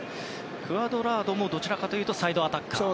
クアドラードもどちらかというとサイドアタッカー。